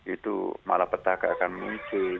itu malah petaka akan muncul